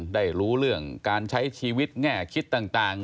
ได้รู้เรื่องการใช้ชีวิตแง่คิดต่าง